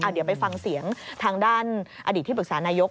เดี๋ยวไปฟังเสียงทางด้านอดีตที่ปรึกษานายก